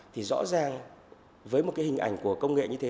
thì rõ ràng với một hình ảnh công nghệ như thế